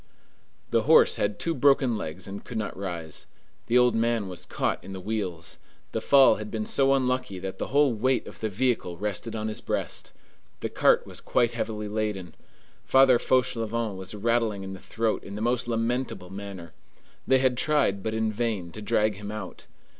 The horse had two broken legs and could not rise. The old man was caught in the wheels. The fall had been so unlucky that the whole weight of the vehicle rested on his breast. The cart was quite heavily laden. Father Fauchelevent was rattling in the throat in the most lamentable manner. They had tried, but in vain, to drag him out.